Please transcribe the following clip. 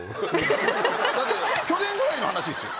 だって去年ぐらいの話っすよ。